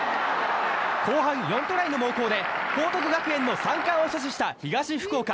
後半４トライの猛攻で報徳学園の三冠を阻止した東福岡。